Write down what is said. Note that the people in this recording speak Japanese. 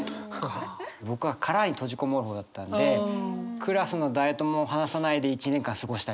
僕は殻に閉じ籠もる方だったんでクラスの誰とも話さないで１年間過ごしたりとか。